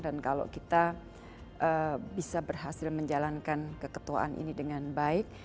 dan kalau kita bisa berhasil menjalankan keketuaan ini dengan baik